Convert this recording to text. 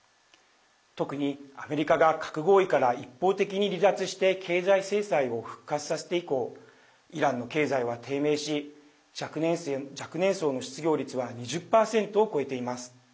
特に、アメリカが核合意から一方的に離脱して経済制裁を復活させて以降イランの経済は低迷し若年層の失業率は２０％を超えています。